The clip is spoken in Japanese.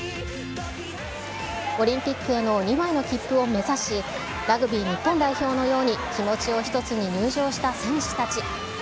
オリンピックへの２枚の切符を目指し、ラグビー日本代表のように気持ちを一つに入場した選手たち。